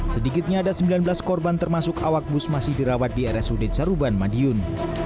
sedikitnya ada sembilan belas korban termasuk awak bus masih dirawat di rsud saruban madiun